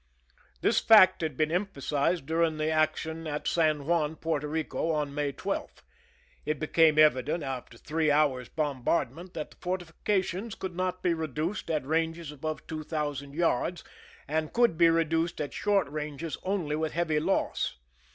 This fact had been emphasized during the action at San Juan, Porto Eico, on May 12. It became evident, after three hours' bombardment, that the fortifications could not be reduced at ranges above two thousand yards, and could be reduced at short ranges only after heavy loss.